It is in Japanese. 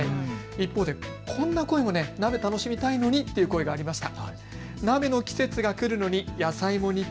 一方でこんな声も、鍋楽しみたいのにという声もありました。